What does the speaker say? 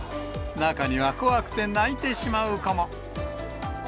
中には怖くて泣いてしまう子も。